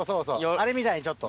あれみたいにちょっと。